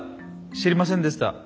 知りませんでした。